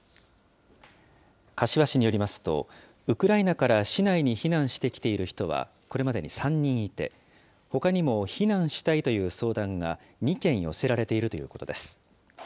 柏市によりますと、ウクライナから市内に避難してきている人はこれまでに３人いて、ほかにも避難したいという相談が２件寄せられているということです。